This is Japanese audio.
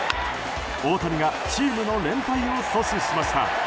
大谷がチームの連敗を阻止しました。